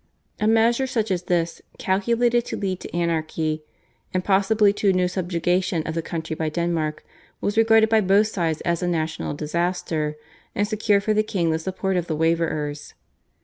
A measure such as this, calculated to lead to anarchy and possibly to a new subjugation of the country by Denmark, was regarded by both sides as a national disaster, and secured for the king the support of the waverers.